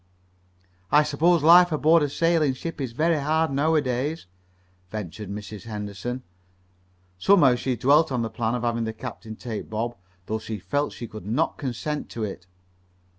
"I suppose life aboard a sailing ship is very hard now a days," ventured Mrs. Henderson. Somehow she dwelt on the plan of having the captain take Bob, though she felt she could not consent to it.